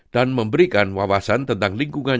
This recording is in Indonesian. dan memberikan wawasan tentang lingkungan